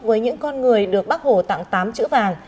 với những con người được bác hồ tặng tám chữ vàng